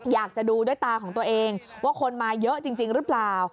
อยากจะดูด้วยตาของตัวเองว่าคนมาเยอะจริงหรือเปล่า